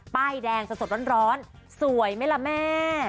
ป้ายแดงสดร้อนสวยไหมล่ะแม่